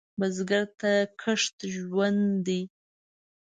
بزګر ته کښت ژوند دی